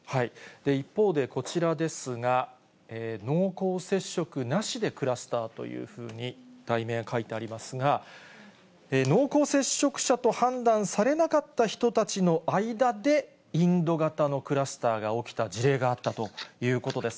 一方で、こちらですが、濃厚接触なしでクラスターというふうに、題名が書いてありますが、濃厚接触者と判断されなかった人たちの間でインド型のクラスターが起きた事例があったということです。